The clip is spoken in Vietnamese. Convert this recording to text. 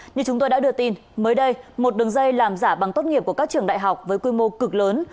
như chúng tôi đã đưa tin mới đây một đường dây làm giả bằng tốt nghiệp của các trường đại học với quy mô cực lớn